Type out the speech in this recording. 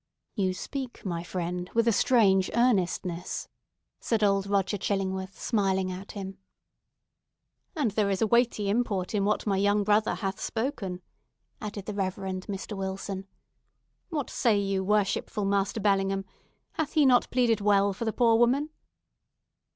"You speak, my friend, with a strange earnestness," said old Roger Chillingworth, smiling at him. "And there is a weighty import in what my young brother hath spoken," added the Rev. Mr. Wilson. "What say you, worshipful Master Bellingham? Hath he not pleaded well for the poor woman?"